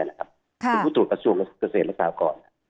เป็นผู้ตรวจกระทรวงเกษตรศาสตร์ก่อน